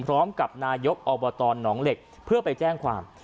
พร้อมกับนายกอบตหนองเหล็กเพื่อไปแจ้งความ